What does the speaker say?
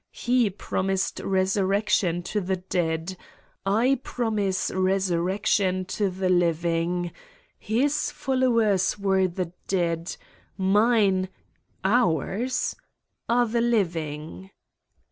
He promised resurrection to the dead. I promise resurrection to the living. His followers were the dead. Mine ... ours are the living."